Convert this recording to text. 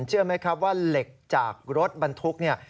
เชื่อไหมครับว่าเหล็กจากรถบรรทุกเนี่ย